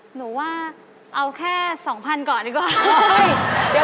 หนูว่าเอาแค่๒๐๐๐ก่อนดีกว่า